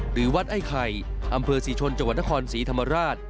หรือวัดไอ้ไข่อำเภอศรีชนจังหวัดนครศรีธรรมราช